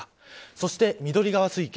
そして緑川水系